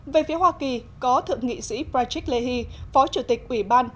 về phía hoa kỳ có thượng nghị sĩ patrick leahy phó chủ tịch quỷ ban